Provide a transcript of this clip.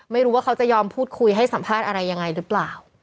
ไม่รู้ว่าเขาจะยอมพูดคุยให้สัมภาษณ์อะไรยังไงหรือเปล่า